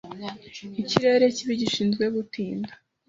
Ikirere kibi gishinzwe gutinda.